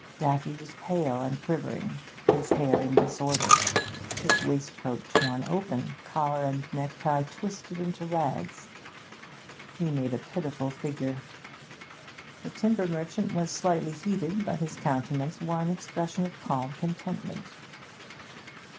Daffy was pale and quivering; his hair in disorder, his waistcoat torn open, collar and necktie twisted into rags, he made a pitiful figure. The timber merchant was slightly heated, but his countenance wore an expression of calm contentment.